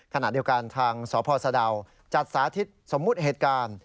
ขณะเดียวกันทางสพสะดาวจัดสาธิตสมมุติเหตุการณ์